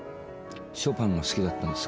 ショパンが好きだったんです。